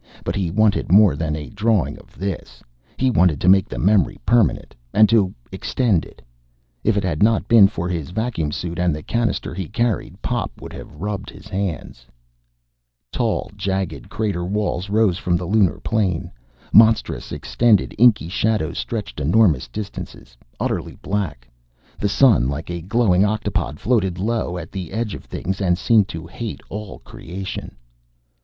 But he wanted more than a drawing of this! He wanted to make the memory permanent and to extend it If it had not been for his vacuum suit and the cannister he carried, Pop would have rubbed his hands. Tall, jagged crater walls rose from the lunar plain. Monstrous, extended inky shadows stretched enormous distances, utterly black. The sun, like a glowing octopod, floated low at the edge of things and seemed to hate all creation.